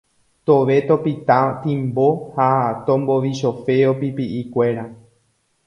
tove topita timbo ha tombovichofeo pipi'ikuéra